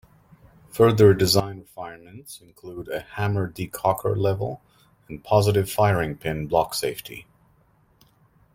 Further design refinements include a hammer decocker level and positive firing pin block safety.